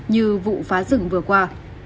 như vụ phá rừng vừa qua